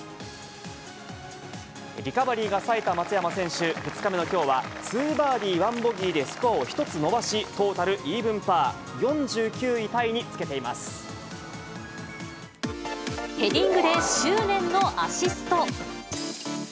リカバリーがさえた松山選手、２日目のきょうは、２バーディー、１ボギーでスコアを１つ伸ばし、トータルイーブンパー、ヘディングで執念のアシスト。